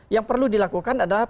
yang perlu dilakukan adalah